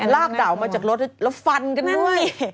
ลากดาวมาจากรถแล้วฟันกันด้วย